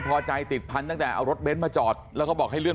พอใจติดพันธุ์ตั้งแต่เอารถเบ้นมาจอดแล้วก็บอกให้เลื่อน